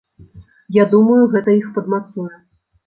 Я думаю, гэта іх падмацуе.